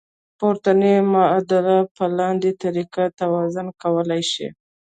پورتنۍ معادله په لاندې طریقو توازن کولی شئ.